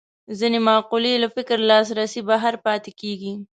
ځینې مقولې له فکر لاسرسي بهر پاتې کېږي